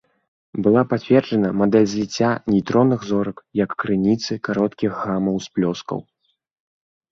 Была пацверджана мадэль зліцця нейтронных зорак як крыніцы кароткіх гама-ўсплёскаў.